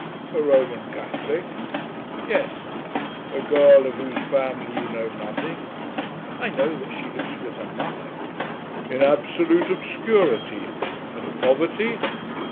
"A Roman Catholic?" "Yes." "A girl of whose family you know nothing?" "I know that she lives with her mother." "In absolute obscurity, and poverty?"